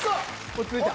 落ち着いた。